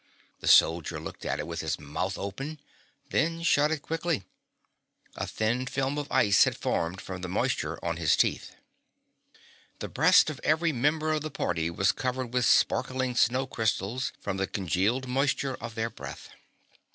The soldier looked at it with his mouth open, then shut it quickly. A thin film of ice had formed from the moisture on his teeth. The breast of every member of the party was covered with sparkling snow crystals from the congealed moisture of their breath.